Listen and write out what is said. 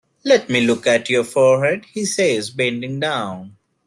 "Let me look at your forehead," he says, bending down.